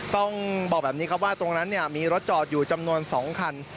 ต้องบอกแบบนี้ครับว่าตรงนั้นมีรถจอดอยู่จำนวน๒คัน